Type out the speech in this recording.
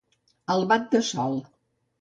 Al bat del sol.